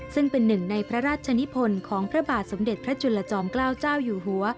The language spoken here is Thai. ซึ่งเป็นหนึ่งในพระราชนิพลของพระบาทสมเด็จพระจุลจอมเกล้าเจ้าอยู่หัว